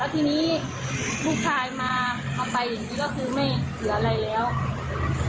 ทีนี้ลูกชายมาเอาไปอย่างนี้ก็คือไม่เหลืออะไรแล้ว